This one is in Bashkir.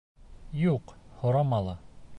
Юҡ. һорама ла.